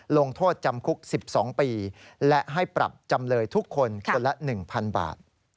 ลงโทษจำคุก๑๒ปีและให้ปรับจำเลยทุกคนคนละ๑๐๐๐บาท